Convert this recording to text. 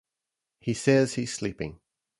He says he's sleeping.